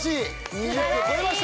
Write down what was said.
２０票超えました！